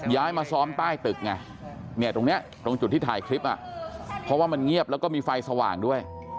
ย้ายมาซ้อมใต้ตึกไงเนี่ยตรงนี้ตรงจุดที่ถ่ายคลิปเพราะว่ามันเงียบแล้วก็มีไฟสว่างด้วย